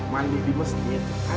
mandi di masjid